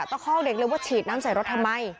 คอกเด็กเลยว่าฉีดน้ำใส่รถทำไม